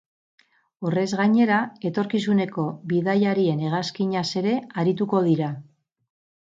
Horrez gainera, etorkizuneko bidaiarien hegazkinaz ere arituko dira.